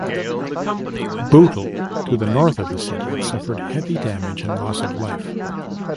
Bootle, to the north of the city, suffered heavy damage and loss of life.